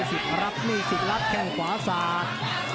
สิทธิ์รับนี่สิทธิ์รับแข้งขวาสาด